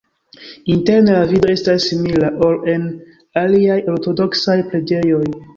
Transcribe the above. Interne la vido estas simila, ol en aliaj ortodoksaj preĝejoj.